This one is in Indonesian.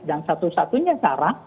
dan satu satunya cara